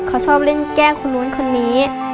เขาชอบเล่นแกล้งคนนู้นคนนี้